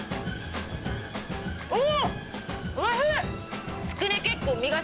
おっ！